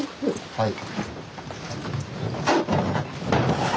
はい。